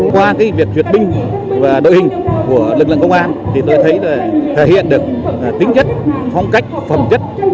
qua việc duyệt binh và đội hình của lực lượng công an thì tôi thấy là thể hiện được tính chất phong cách phẩm chất